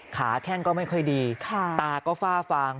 แข้งก็ไม่ค่อยดีตาก็ฝ้าฟาง